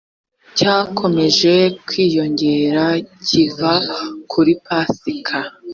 cyakomeje kwiyongera kiva kuri pasika